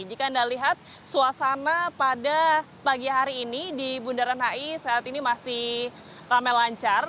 jika anda lihat suasana pada pagi hari ini di bundaran hi saat ini masih ramai lancar